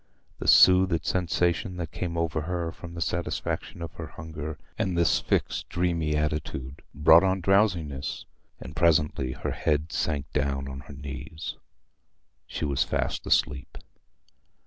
The soothed sensation that came over her from the satisfaction of her hunger, and this fixed dreamy attitude, brought on drowsiness, and presently her head sank down on her knees. She was fast asleep.